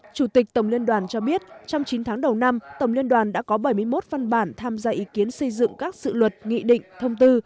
chủ tịch tổng liên đoàn cho biết trong chín tháng đầu năm tổng liên đoàn đã có bảy mươi một văn bản tham gia ý kiến xây dựng các dự luật nghị định thông tư